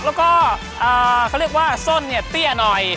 แล้วก็เขาเรียกว่าส้นเนี่ยเตี้ยหน่อย